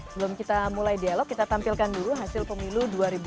sebelum kita mulai dialog kita tampilkan dulu hasil pemilu dua ribu dua puluh